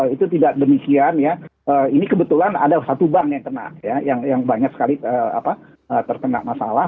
itu tidak demikian ya ini kebetulan ada satu bank yang kena ya yang banyak sekali terkena masalah